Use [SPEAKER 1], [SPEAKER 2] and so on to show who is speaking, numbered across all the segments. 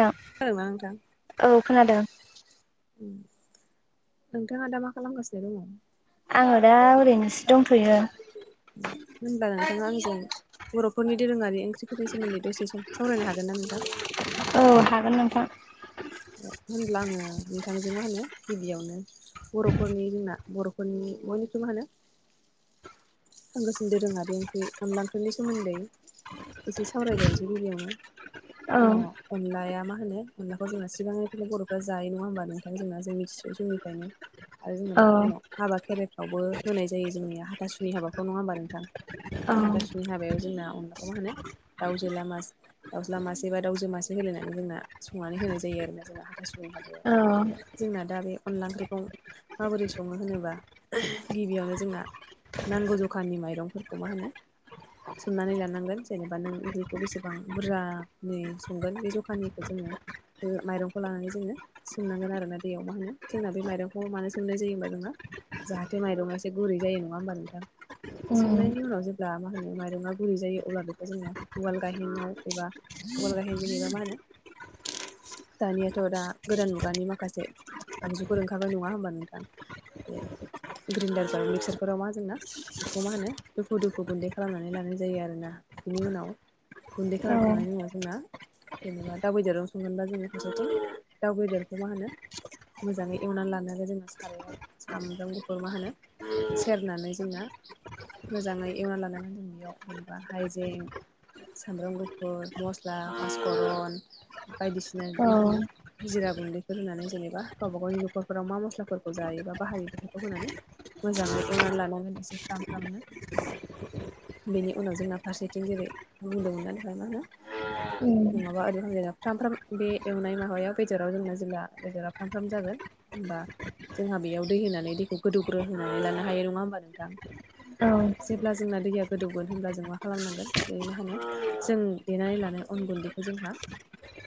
[SPEAKER 1] आ
[SPEAKER 2] खोनादों ना नोंथां?
[SPEAKER 1] औ खोनादों।
[SPEAKER 2] ओ नोंथाङा दा मा खालामगासिनो दङ?
[SPEAKER 1] आङो दा ओरैनोसो दंथ'यो।
[SPEAKER 2] होनबा नोंथाङा आंजों बर'फोरनि दोरोङारि ओंख्रिफोरनि सोमोन्दै दसे सम सावरायनो हागोन ना नोंथां?
[SPEAKER 1] औ हागोन नोंथां।
[SPEAKER 2] होनब्ला आङो नोंथांजों मा होनो गिबियावनो बर'फोरनि जोंना बर' बर'नि बर'नि ओंख्रि मा होनो? संगासिनो दोरोङारि ओंख्रि अनला ओंख्रिनि सोमोन्दै एसे सावरायग्रोनोसै गिबियावनो,
[SPEAKER 1] औ
[SPEAKER 2] जोंना अनलाया मा होनो? अनला बे जोंना सिगांनिफ्रायनो बर'फ जायो नङा होनोमबा नोंथां जोंना जों मिथिसयै समनिफ्रायनो आरो जोंना
[SPEAKER 1] औ
[SPEAKER 2] बेफोरनिया हाबा खेराइफ्रावबो होनाय जायो जोंनिया हाथासुनि हाबाफ्राव नङा होमबा नोंथां?
[SPEAKER 1] औ
[SPEAKER 2] बे हाथासुनि हाबायाव जोंना अनला मा होनो दाउजोला मासे दावज्ला मासे बा दाउजो मासे होलायनानै जोंना संना नै होनाय जायो आरोना जोंना हाथाइासुनि हाबायाव।
[SPEAKER 1] औ
[SPEAKER 2] जोंना दा बे अनला ओंख्रिखौ माबोरै सङो होनोबा? गिबियावनो जोंना नांगौ जखानि माइरंफोरखौ मा होनो? सोमनानै लानांगोन जेनेबा नों ओंख्रिखौ बेसेबां बुरजानि संगोन बे जखानिखौ जोङो माइरंखौ लानानै जोङो सोमनांगोन आरोना दैयाव मा होनो? जोंना बे माइरंखौ मानो सोमनाय जायो होमबा? जोंहा जाहाथे माइरंआ एसे गुरै जायो नङा होमबा नोंथां?
[SPEAKER 1] उम
[SPEAKER 2] सोमनायनि उनाव जेब्ला मा होनो? माइरङा गुरै जायो अब्ला बेखौ जोङो उवाल गायहेनाव एबा उवाल गाहेन होनोना मा होनो? दानियाथ' दा गोदान मुगानि माखासे आगजुफोर ओंखारबाय, नङा होमबा नोंथां? बे ग्राइन्डारफोर मिक्सारफोराव मा जोंना बेखौ मा होनो दुफु दुफु गुन्दै खालामनानै लानाय जायो आरोना। बिनि उनाव गुन्दै
[SPEAKER 1] औ
[SPEAKER 2] खालामखांनायनि मुङा जोंना जेनेबा दाव बेदराव संगोनबा जोङो फारसेथिं दाउ बेदरखौ मा होनो? मोजाङै एवनानै लानांगोन जोङो सारायाव सामब्राम गुफुर मा होनो? सेरनानै जोंना मोजाङै एवना लानांगोन जों बेयाव जेनेबा हाइजें सामब्राम गुफुर मस्ला पासफुरन बायदिसिना
[SPEAKER 1] औ
[SPEAKER 2] मा होनो जिरा गुन्दैफोर होनानै जेनेबा गावबा गावनि न'खरफोराव मा मस्लाफोरखौ जायोबा बाहायो बेफोरखौ होनानै मोजाङै एवनानै लानांगोन एसे फ्राम फ्रामनो बेनि उनाव जोंना फारसेथिं जेरै बुंदोंमोनना नोंथां मा होनो
[SPEAKER 1] उम
[SPEAKER 2] नङाबा हामजाय फामफ्राम बे एवनाय माबायाव बेदराव जोंना जेब्ला बेदरा फामफ्राम जागोन होमबा जोंहा बेयाव दै होनानै दैखौ गोदौग्रो होनानै लानो हायो नङा होमबा नोंथां
[SPEAKER 1] औ
[SPEAKER 2] जेब्ला जोंना दैया गोदौगोन होनब्ला जों मा खालामनांगोन बे मा होनो जों देनानै लानाय अन गुन्दैखौ जोंहा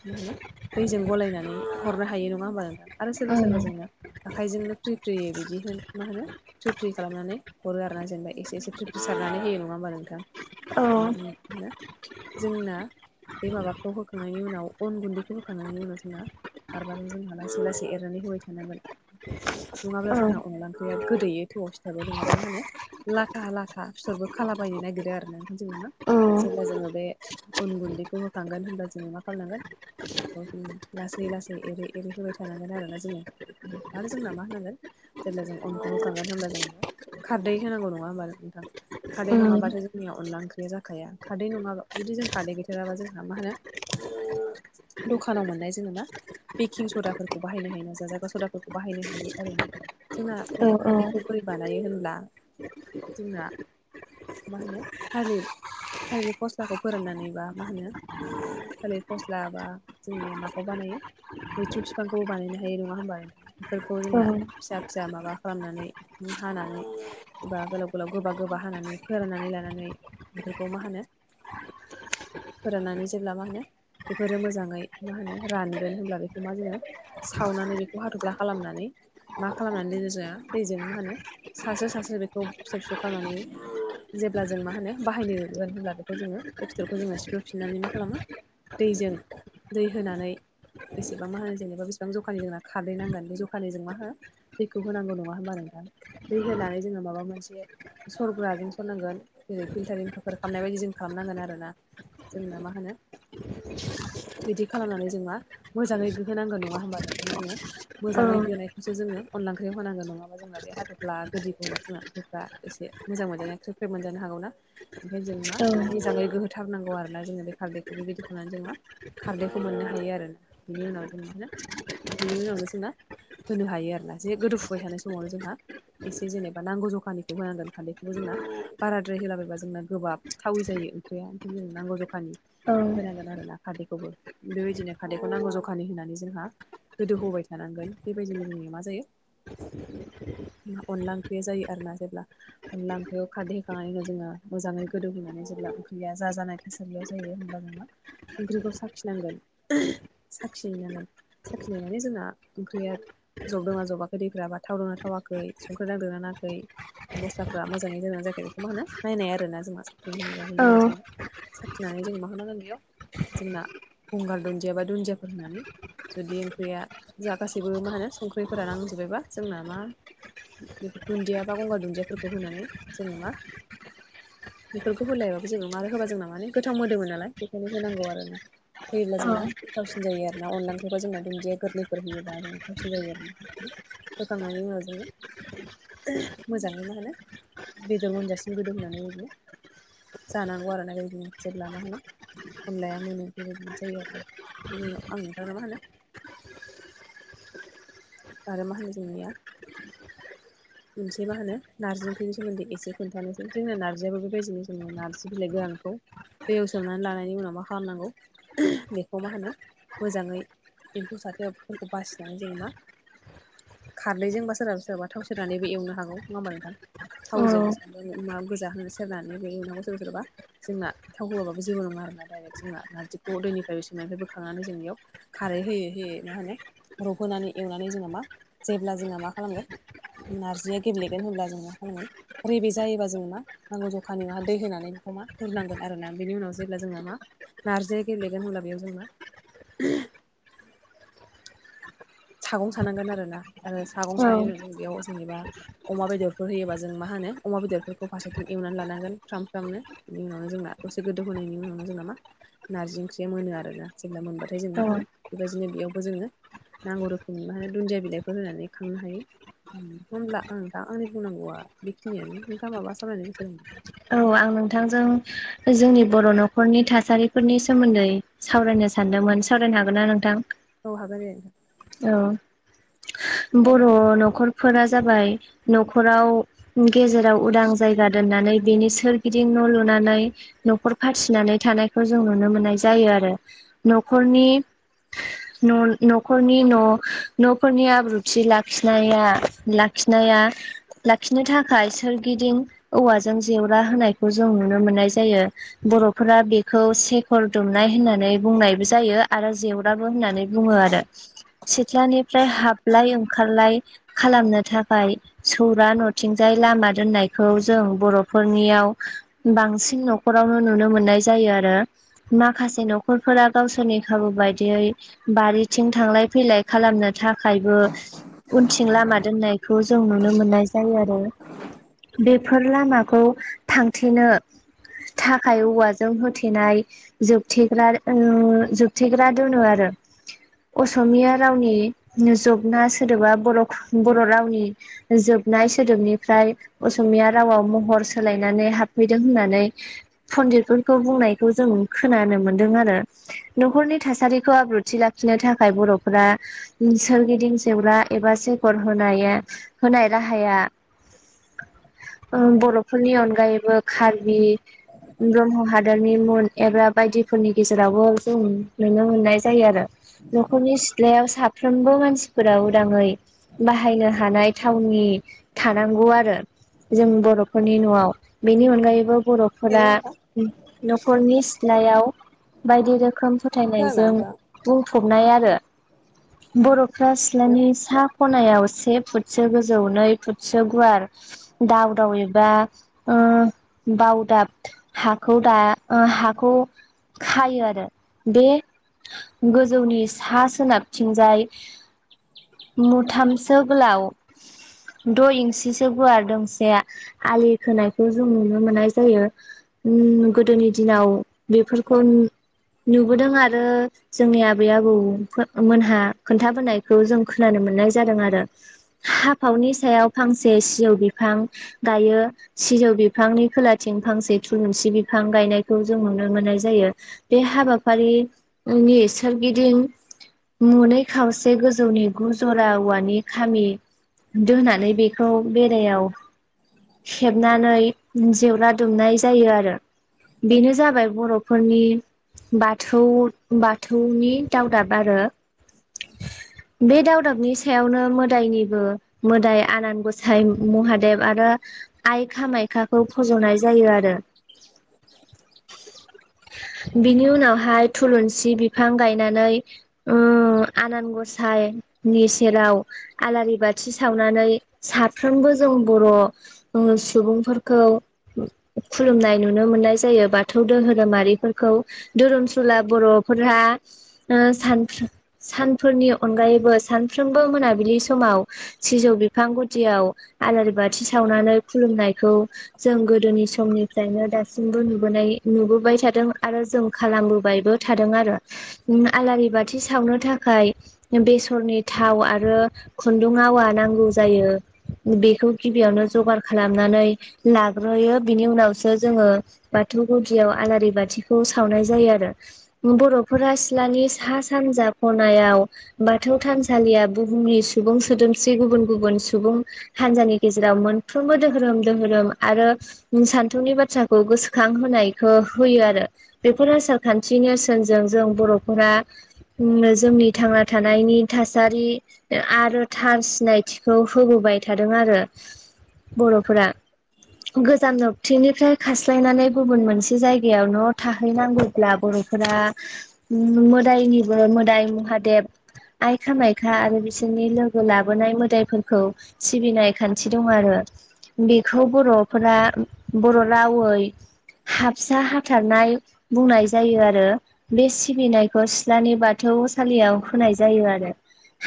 [SPEAKER 2] मा होनो दैजों गलायनानै हरनो हायो नङा होमबा नोंथां आरो सोरबा
[SPEAKER 1] उम
[SPEAKER 2] सोरबा जोंना आखाइजोंनो फ्रि फ्रियो बिदि होन मा होनो फ्रि फ्रि खालामनानै हरो आरो ना जेनेबा एसे एसे फ्रि फ्रि सारनानै होयो नङा होमबा नोंथां
[SPEAKER 1] औ
[SPEAKER 2] आरो जोङो जोंना बे माबाखौ होखांनायनि उनाव अन गुन्दैखौ बोखांनायनि उनाव जोंना गारबाजों जोंहा लासै लासै एरनानै होबाय थानांगोन
[SPEAKER 1] उम औ
[SPEAKER 2] नङाब्लाोंना अनला ओंख्रि गोदैयो थोौआव फिथाबो नङाबा मा होनो लाथा लाथा बििसरबो खालाबायनो नागिरो आरो ना ओंखायनो जों मा
[SPEAKER 1] औ
[SPEAKER 2] जेब्ला जोङो बे अन गुन्दैखौ होखांगोन होनब्ला जोङो मा खालामनांगोन बेखौ जों लासै लासै एरै एरै होबाय थानांगोन आरोना जोङो बेखौ आरो जोंना मा होनांगोन जेब्ला जों अनखौ होोखांगोन होमब्ला जों बेयाव खारदै होनांगौ नङा होमबा नोंथां खारदै नङाबाथ' जोंनियाव अनला ओंख्रिया जाखाया खारदै नङाबा जुदि जों खारदै गैथेराबा जोंहा मा होनो दखानाव मोननाय जेनेबा बेकिं सदाफोरखौ बाहायनो हायो नााजा जायगा सदाफोरखौ बाहायनो हायो आरो ना जोंना
[SPEAKER 1] औ औ
[SPEAKER 2] बे
[SPEAKER 1] औ
[SPEAKER 2] खारदैखौ बोरै बानायो होन्ला जोंना मा होनो थालिर थालिर फस्लाखौ फोराननानै बा मा होनो थालिर फस्ला लाबा जोंनिया माखौ बानायो मैथ्रु बिफांखौबो बानायनो हायो नङा होमबा नोंथां बेफोरखौ
[SPEAKER 1] आं
[SPEAKER 2] जोंना फिसा फिसा माबा खालामनानै हानानै बा गोलाव गोलाव गोबा गोबा हानानै फोराननानै लानानै बेफोरखौ मा होनो फोराननानै जेब्ला मा होनो बेफोरो मोजाङै मा होनो रानगोन होनब्ला बेखौ मा जोङो सावनानै बेखौ हाथ'फ्ला खालामनानै मा खालामनानै [unintelligible] जाया दैजों मा होनो सास्रो सास्र बेखौ फिसाौ फिसौ खालामनानै जेब्ला जों मा होनो बाहायनोोन होनब्ला बेखौ जोङो बे फिथोरखौ जोङो सिफ्रुफिननानै मा खालामो दैजों दै होनानै बेसेबां मा होनो जेनेबा बेसेबां जखानि जोंना खारैनांगोन बे जखानिजों मा होनो दैखौ होनांगौ नङा होमबा नोंथां दै होनानै जोङो माबा मोनसे सरग्राजों सरनांगोन जेरै फिल्टारिं खफ खालामनाय बायदि जों खालामनांगोन आरो ना जोंना मा होनो बिदि खालामनानै जों मा मोजाङै गोहो नांगोन नङा होमबा नोंथां जोङो मोजाङै गोोनाय सो जोङ अनला ओखखौ होनांगौ नङाबा जोंना बे हाथ'फ्ला गोदैखौबा जोंना ओंख्रिफ्रा एसे मोजां मोनजानाय ख्रेब ख्रेब मोनजानो हागौ ओंखायनो जों मा मोजाङै गोहोथारनांगौ आरोना जोङो बे खारदैखौ बेबायदिनो नानै जोंङो खारनायखौ मोननो हायो आरोोना बिनि उनाव जों म होन बिनि उनावनो जोंना होनो हायो आरोना जे गोदोफुबाय थानाय समावनो जोंहा एसे जेनेबा नांगौ जखानिखौ होनांगोन खान्दैखौबो जोंना बाराद्राय होलाबायबा जोंना गोबाब थावै जायो ओंख्रिया ओखनो जों नांगौ जखानि
[SPEAKER 1] औ
[SPEAKER 2] आरो ना खारादैखौबो बेबायदिनो खारैखौ नांगौ जखानि होननानै जोंहा गोदौ होबाय थानांगोन बेबायदिनो जोंनिया मा जायो अनला ओंख्रिया जायो आरोना जेब्ला अनला ओंख्रियाव खारदै होखांनायनि उनाव जोङो मोजाङै गोदौहोनानै जेब्ला ओंख्रिया जाजानाय थासारियाव जायो होमब्ला जोङो ओंख्रिखौ साखिनांगोन साखिनांगोन साखिनाय माने जोंना ओंख्रिया जबदोनां जबाखै दैफोराबा थावदोंना थावाखै संख्रि नांदोंना नांहाखै। मस्लाफ्रा मोजाङै दोनां जाखायो बेखौ मा होनो नाय आरोना जोंहा साखिनाय बागैजों साखिनानै जों [unintelligible] जोंना गंगार दुन्दिया बा दुन्दियाफोर होनानै। जुदि ओंख्रिया जा गासैबो मा होनो संख्रिफोरा नांजोबबायबा जोंना मा। बे दुन्दियाबा गंगार दुन्दियाफोरखौ होनानै जोङो मा। बेफोरखौ होलायाबाबो जोङो होबा जोंना माने गोथाव मोदोमोन नालाय बेखायनो होनांगौ आरो ना। होयोब्ला जोंना थावसिन जायोना अनला ओंख्रिखौ जोंना दुन्दिया गोरलैफोर होयोबा जों थावसिन जायो आरो ना। होखांनायनि उनाव जोङो। मोजाङै माहोनो बेदर मोनजासिम गोदौ होननानै ओरैनो जानांगौ आरो ना इदिनो जेब्ला मा होनो। अनलाया मोनो बेबायदि जायो आरो बिनि उनाव आं नोंथांनो मा होनो। आरो मा होनो जोंनिया। मोनसे मा होनो नारजि ओंख्रैनि सोमोन्दै एसे खोन्थानोसै जोंना नारजियाबो बेबायदिनो जोङो नारजि बिलाइ गोरानखौ। दैआव सोमनानै लानायनि उनाव मा खालामनांगौ बेखौ मा होनो मोजाङै। एम्फौ जायो फोरखौ बासिनानै जोङो मा खारदैजोंबा सोरहाबा सोरहाबा थावसि सोरानैबो एवनो हागौ नङा होमबा नोंथां थावजों मा गोजा होनोसै। सोरनानै हैयो उनाव सोरब सोरबा। जोंना थावहोबाबो जेबो नङा आरोना दायरेक्ट जोंना नारजिखौ दैनिफ्रायबो सोमनायनिफ्राय बोखांनानै जों बेयाव। खारै होयै होयै मा होनो रबहोनानै एवनानै जोङो मा जेब्ला जोंना मा खालामगोन। नारजिया गेब्लेगोन होनब्ला जों मा खालामगोन रैबे जायोबा जों मा। नांगौ ज'खानि मा दै होनानै बेखौ मा हनांगोन आरोना बेनि उनाव जेब्ला जोङो मा। नारजि गेलेगोन होनब्ला बेयाव जोंना। सागं सानांगोन आरोना आरो ओ सागं सानायो जों बेयाव जेनेबा। अमा बेदरफोर होयोबा जों मा होनो अमा बेदरफोरखौ फारसेथिं एवनानै लानांगोन फ्राम फ्रामनो। बेनि उनावनो जोंना दसे गोदौ होनायनि उनावनो जोंना मा नारजि ओंख्रिया मोनो आरोना जेब्ला मोनबा फ्राय जों मा होनो बेबायदिनो बेयावबो जोङो नांगौ रोखोमनि मा होनो दुन्दिया बिलाइफोर होनानै खांनो हायो। होनोमब्ला आं दा आंनि बुंनांगौआ बेखिनियानो नोंथाङा माबा सावरायनो गोसो जादोंमोन।
[SPEAKER 1] औ आं नोंथांजों जोंनि बर' न'खरनि थासारिफोरनि सोमोन्दै। सावरायनो सानदोंमोन सावरायनो हागोनना नोंथां?
[SPEAKER 2] औ हागोन दे नोंथां।
[SPEAKER 1] औ बर' न'खरफोरा जाबाय न'खराव। गेजेराव उदां जायगा दोननानै। बेनि सोरगिदिं न' लुनानै न'खर फासिनानै थानायखौ जों नुनो मोननाय जायो आरो न'खरनि
[SPEAKER 2] [inaudible]
[SPEAKER 1] न'खरनि न' न'फोरनि आब्रुथि लाखिनाया लाखिनाया। लाखिनो थाखाय सोरगिदिं औवाजों जेवरा होनायखौ जों नुनो मोननाय जायो। बर'फोरा बेखौ सेकर दुमनाय होननानै बुंनायबो जायो आरो जेव नाबो होननानै बुङो आरो सिथ्लानिफ्राय हाबलाय ओंखारलाय। खालामनो थाखाय सौरा न'थिंजाय लामा दोननायखौ जों बर' फोरनियाव बांसिन न'खरावनो नुनो मोननाय जायो आरो माखासे न'खरफोरा गावसोरनि खाबु बायदियै। बारिथिं थांलाय फैलाय खालामनो थाखायबो उनथिं लामा दोननायखौ जों नुनो मोननाय जायो आरो बेफोर लामा खौ थांथेनो थाखाय औवाजों होथेनाय। जोबथेग्रा ओ जोबथेग्रा दोनो आरो असमिया रावनि नोजोबना सोदोबा बर' बर' रावनि जोबनाय सोदोबनिफ्राय असमिया रावाव महर, सोलायनानै हाबफैदों होननानै पन्दितफोरखौ बुंनायखौ जों खोनानो मोन्दों आरो न'खरनि थासारिखौ आब्रुथि लाखिनो थाखाय बर'फोरा सोरगिदिं जेब्ला एबा सोगर होनाया होनाय राहाया बर'फोरनि अनगायैबो कार्बि ब्रह्म हादरनि [unintelligible] एबा बायदिफोरनि गेजेरावबो जों नुनो मोननाय जायो आरो न'खरनि सिथ्लायाव साफ्रोमबो मानसिफोरा उदाङै बाहायनो हानाय थावनि थानांगौ आरो जों बर' फोरनि न'आव बेनि अनगायैबो बर' फोर
[SPEAKER 2] हेलौ नोंथां
[SPEAKER 1] न'खरनि सिथ्लायाव बायदि रोखोम
[SPEAKER 2] खोनादोंना
[SPEAKER 1] फोथायनायजों
[SPEAKER 2] नोंथाङा
[SPEAKER 1] बुंफबनाय आरो बर'फ्रा
[SPEAKER 2] हेलौ
[SPEAKER 1] सिथ्लानि सा खनायाव से फुटसो गोजौ नै फुटसो गुवार दाव दावै बा बावदाब हाखौ दा ओ हाखौ खायो आरो बे गोजौनि सा सोनाबथिंजाय मुथामसो गोलाव द' इन्सिसो गुवार दोंसे आलि खोनायखौ जों नुनो मोननाय जायो। उम गोदोनि दिनाव बेफोरखौ नुबोदों आरो जोंनि आबै आबौ मोनहा खोन्थाबोनायखौ जों खोनानो मोननाय जादों आरो हाफावनि सायाव फांसे सिजौ बिफां गायो। सिजौ बिफांनि खोलाथिं फांसे थुलुंसि बिफां गायनायखौ जों नुनो मोननाय जायो। बे हाबाफारि नि सोरगिदिं मुनै खावसे गोजौनि गु जरा औवानि खामि दोनानै बेखौ बेरायाव
[SPEAKER 2] [inaudible]
[SPEAKER 1] नानै जेवरा दुमनाय जायो आरो बेनो जाबाय बर'फोरनि बाथौ बाथौनि दावदाब आरो बे दावदाबनि सायावनो मोदायनिबो मोदाय आनान गसाइ महादेब आरो आइ खामायखाखौ फज'नाय जायो आरो
[SPEAKER 2] [unintelligible]
[SPEAKER 1] बिनि उनावहाय थुलुंसि बिफां गायनानै ओ आनान गसायनि सेराव आलारि बाथि सावनानै साफ्रोमबो जों बर' सुबुंफोरखौ खुलुमनाय नुनो मोननाय जायो बाथौ दोहोरोमारिफोरखौ धोरोमसुला बर'फोराहा सान सानफोरनि अनगायैबो सानफ्रोमबो मोनाबिलि समाव सिजौ बिफां गुदियाव आलारि बाथि सावनानै खुलुमनायखौ जों गोदोनि समनिफ्रायनो दासिमबो नाय नुबोबाय थादों आरो जों खालामबोबायबो थादों आरो आलारि बाथि सावनो थाखाय बेसरनि थाव आरो खुन्दुं आवा नांगौ जायो बेखौ गिबियावनो जगार खालामनानै लाग्रोयो बिनि उनावसो जोङो बाथौ गुदियाव आलारि बाथिखौ सावनाय जायो आरो बर'फोरा सिथ्लानि सा सानजा खनायाव बाथौ थानसालिया बुहुमनि सुबुं सोदोमस्रि गुबुन गुबुन सुबुं हानजानि गेजेराव मोनफ्रोमबो दोहोरोम दोहोरोम आरो सान्थौनि बाथ्राखौ गोसोखां होनायखौ होयो आरो बेफोर आसारखान्थिनि नेरसोनजों जों बर'फोरा उम ओ जोंनि थांना थानायनि थासारि आरो थार सिनायथिखौ होबोबाय थादों आरो। बर'फोरा गोजाननो थिनिफ्राय खास्लायनानै गुबुन मोनसे जायगायाव न' थाहैनांगौब्ला बर'फोरा उम मोदाइनि मोदाय महादेब आय खामायखा आरो बिसोरनि लोगो लाबोनाय मोदायफोरखौ सिबिनाय खान थि दं आरो बेखौ बर'फोरा बर' रावै हाबसा हाथारनाय बुंनाय जायो आरो। बे सिबिनायखौ सिलानि बाथौसालियाव होनाय जायो आरो।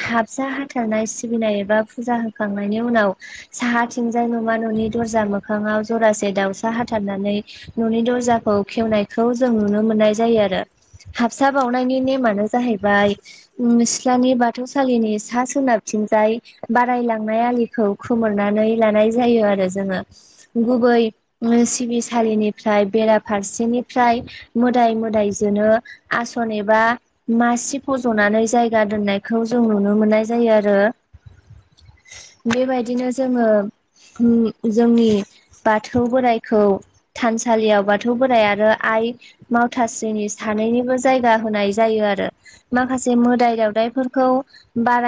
[SPEAKER 1] हाबसा हाथारनाय सिबिनाय एबा फुजा होखांनायनि उनाव साहाथिजाय नमा न'नि दरजा मोखाङाव जरासे दाउसा हाथारनानै न'नि दर्जाखौ खेवनायखौ जों नुनो मोननाय जायो आरो। हाबसा बावनायनि नेमानो जाहैबाय उम सिथ्लानि बाथौसालिनि सा सोनाबथिंजाय बारायलांनाय आलिखौ खोमोरनानै लानाय जायो आरो जोङो गुबै [unintelligible] सिबिसालिनि फ्राय बेराफारसेनिफ्राय मोदाय मोदाय जोनो आसन एबा मासि फज'नानै जायगा दोननायखौ जों नुनो मोननाय जायो आरो। बेबायदिनो जोङो उम जोंनि बाथौ बोराइखौ थानसालियाव बाथौ बोराइ आरो आइ मावथासिनि सानैनिबो जायगा होनाय जायो आरो। माखासे मोदाय दावदायफोरखौ बाराय